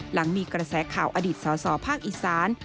หลังมีกระแสข่าวอดีตสอสอภาคอีสาน